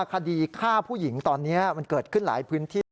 คดีฆ่าผู้หญิงตอนนี้มันเกิดขึ้นหลายพื้นที่